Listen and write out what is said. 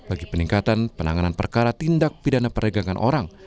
bagi peningkatan penanganan perkara tindak pidana perdagangan orang